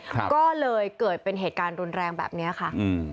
ก็เลยเกิดเป็นเหตุการณ์รุนแรงแบบเนี้ยค่ะอืม